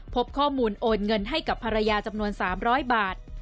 พบข้อมูลโอนเงินให้กับภรรยาจำนวน๓๐๐บาท